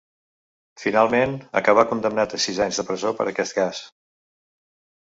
Finalment, acabà condemnat a sis anys de presó per aquest cas.